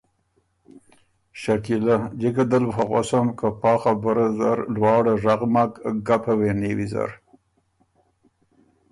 شکیلۀ ـــ ”جِکه دل بُو خه غؤسم که پا خبُره زر لواړه ژغ مک، ګپه وې نیو ویزر“